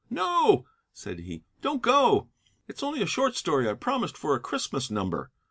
"No," said he, "don't go. It's only a short story I promised for a Christmas number.